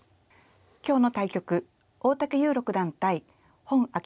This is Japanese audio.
今日の対局大竹優六段対洪爽